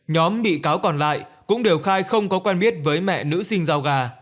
nhóm bị cáo còn lại cũng đều khai không có quen biết với mẹ nữ sinh giao gà